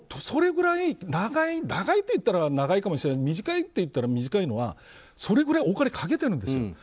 それぐらい長いといったら長いかもしれないけど短いといったら短いのはそれぐらいお金かけてるんですよ。